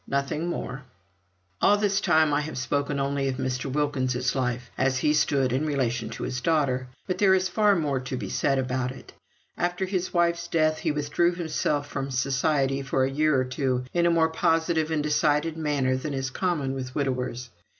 Nothing more. All this time I have spoken only of Mr. Wilkins's life as he stood in relation to his daughter. But there is far more to be said about it. After his wife's death, he withdrew himself from society for a year or two in a more positive and decided manner than is common with widowers.